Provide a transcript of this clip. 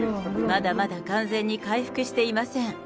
まだまだ完全に回復していません。